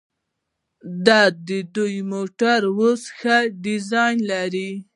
د دوی موټرې اوس ښه ډیزاین لري.